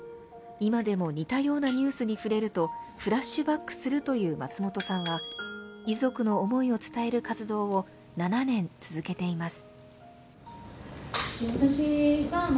今でも似たようなニュースに触れると、フラッシュバックするという松本さんは遺族の思いを伝える活動を７年、続けています。